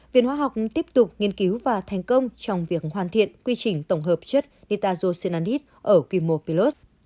viện hóa học tiếp tục nghiên cứu và thành công trong việc hoàn thiện quy trình tổng hợp chất nitazosanit ở quy mô pilot